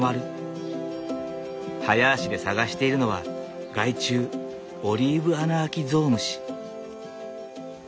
早足で探しているのは害虫オリーブアナアキゾウムシ。